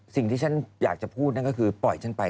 สิ่งที่ฉันอยากจะพูดนั่นก็คือปล่อยฉันไป